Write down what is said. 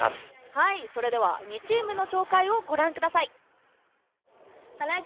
はいそれでは２チームのしょうかいをごらんください。